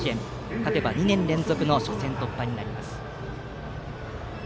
勝てば２年連続の初戦突破になります。